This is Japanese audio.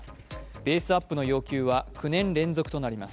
ベースアップの要求は９年連続となります。